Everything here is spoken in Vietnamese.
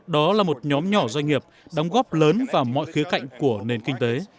đó là một nhóm nhỏ doanh nghiệp đóng góp lớn vào mọi khía cạnh của nền kinh tế